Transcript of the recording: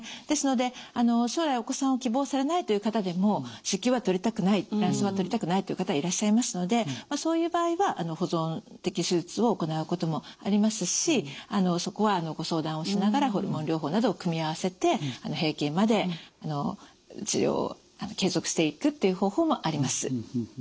ですので将来お子さんを希望されないという方でも子宮は取りたくない卵巣は取りたくないという方いらっしゃいますのでそういう場合は保存的手術を行うこともありますしそこはご相談をしながらホルモン療法などを組み合わせて閉経まで治療を継続していくっていう方法もあります。